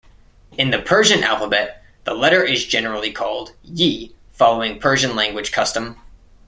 In the Persian alphabet, the letter is generally called "ye" following Persian-language custom.